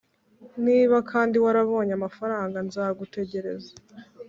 niba kandi warabonye amafaranga nzagutegereza